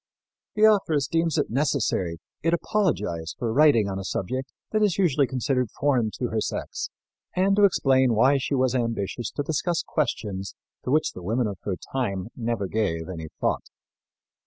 The authoress deems it necessary it apologize for writing on a subject that is usually considered foreign to her sex and to explain why she was ambitious to discuss questions to which the women of her time never gave any thought.